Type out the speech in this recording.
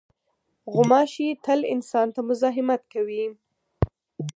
غوماشې تل انسان ته مزاحمت کوي.